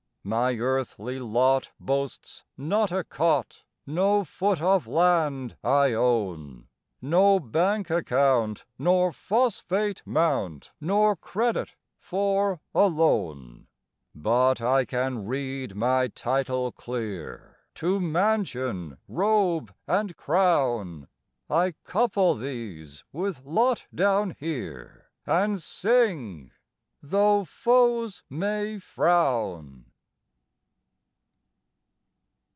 My earthly lot boasts not a cot, No foot of land I own, No bank account nor phosphate mount, Nor credit for a loan; But I can read my title clear To mansion, robe, and crown; I couple these with lot down here, And sing, tho' foes may frown.